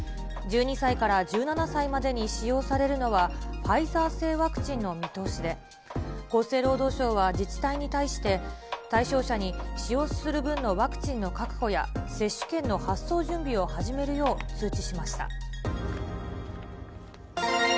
１２歳から１７歳までに使用されるのは、ファイザー製ワクチンの見通しで、厚生労働省は自治体に対して、対象者に使用する分のワクチンの確保や、接種券の発送準備を始めるよう通知しました。